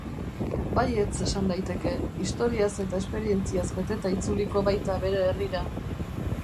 Baietz esan daiteke, historiaz eta esperientziaz beteta itzuliko baita bere herrira.